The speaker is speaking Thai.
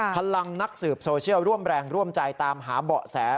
นักสืบโซเชียลร่วมแรงร่วมใจตามหาเบาะแส